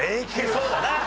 そうだな。